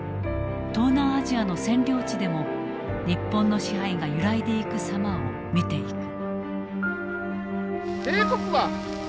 東南アジアの占領地でも日本の支配が揺らいでいく様を見ていく。